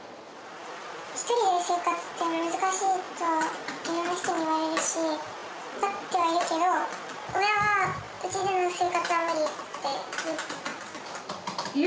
１人で生活って難しいといろんな人に言われるし、分かってはいるけど、親はうちでの生活は無理って言う。